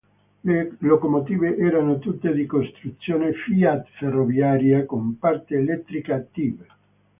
Le locomotive erano tutte di costruzione Fiat Ferroviaria con parte elettrica Tibb.